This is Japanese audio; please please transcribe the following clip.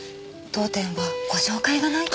当店はご紹介がないと。